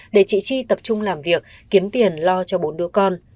để chị chi tập trung làm việc kiếm tiền lo cho bốn đứa con